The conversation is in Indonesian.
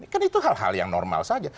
kan itu hal hal yang normal saja